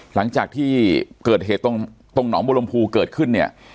หลังจากที่เกิดเหตุตรงหนองบุรมภูเกิดขึ้นเนี่ย